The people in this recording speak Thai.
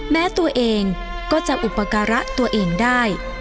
แม้ตัวเองก็จะอุปการะตัวเองได้